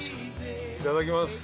「いただきます」